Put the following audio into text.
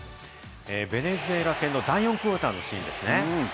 ベネズエラ戦の第４クオーターのシーンですね。